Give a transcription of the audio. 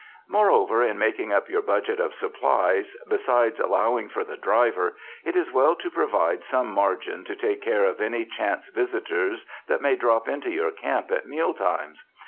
138 SPRING DAYS IN A CARRIAGE Moreover, in making up your budget of supplies, besides allowing for the driver it is well to provide some margin to take care of any chance visitors that may drop into your camp at meal times.